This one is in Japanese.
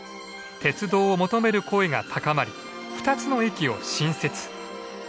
鉄道を求める声が高まり２つの駅を新設。